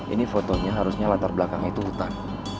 ini fotonya harusnya latar belakangnya itu hutan